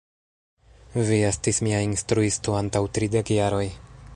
Vi estis mia instruisto, antaŭ tridek jaroj!